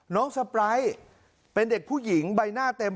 สปร้ายเป็นเด็กผู้หญิงใบหน้าเต็ม